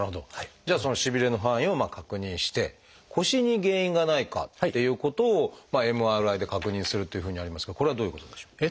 じゃあそのしびれの範囲を確認して腰に原因がないかっていうことをＭＲＩで確認するというふうにありますがこれはどういうことでしょう？